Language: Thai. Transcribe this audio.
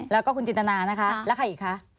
แล้วก็คุณจินตนานะคะแล้วใครอีกคะ